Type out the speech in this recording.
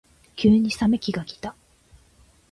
急に冷め期がきた。